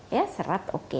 ya serat oke